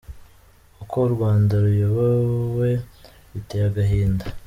Uko u rwanda ruyobowe biteye agahinda.